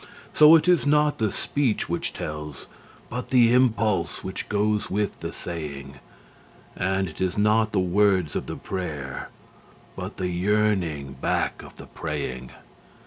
So it is not the speech which tells, but the impulse which goes with the saying; And it is not the words of the prayer, but the yearning back of the praying.